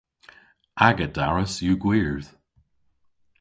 Aga daras yw gwyrdh.